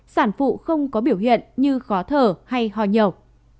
sản phụ không có biểu hiện như khó thở hay hò nhậu